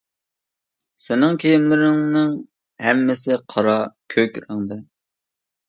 سېنىڭ كىيىملىرىڭنىڭ ھەممىسى قارا كۆك رەڭدە.